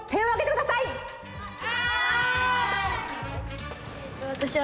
はい！